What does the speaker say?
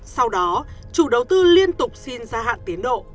sau đó chủ đầu tư liên tục xin gia hạn tiến độ